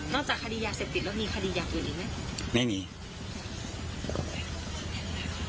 นอกจากคาดียาเสฟติจแล้วมีคาดียาขึ้นอีกไหม